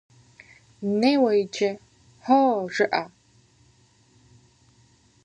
Неуэ иджы, «хьо» жыӀэ.